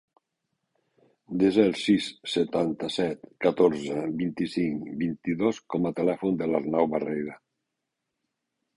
Desa el sis, setanta-set, catorze, vint-i-cinc, vint-i-dos com a telèfon de l'Arnau Barreira.